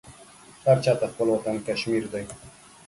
هر چاته خپل وطن کشمير دى.